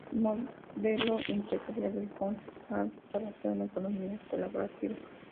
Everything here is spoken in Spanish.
El modelo empresarial de Housing Anywhere está basado en la economía colaborativa.